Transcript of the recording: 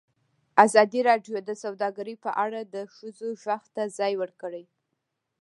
ازادي راډیو د سوداګري په اړه د ښځو غږ ته ځای ورکړی.